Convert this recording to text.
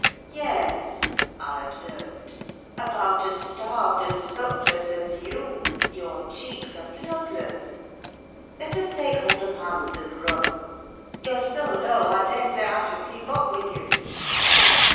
"Yes," I observed, "about as starved and sackless as you: your cheeks are bloodless; let us take hold of hands and run. You're so low, I daresay I shall keep up with you."